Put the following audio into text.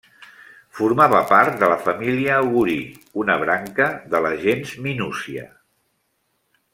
Formava part de la família Augurí, una branca de la gens Minúcia.